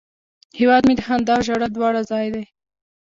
هیواد مې د خندا او ژړا دواړه ځای دی